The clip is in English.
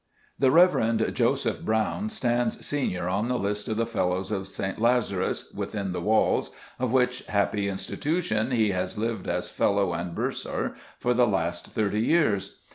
The Reverend Joseph Brown stands senior on the list of the fellows of St. Lazarus, within the walls of which happy institution he has lived as fellow and bursar for the last thirty years.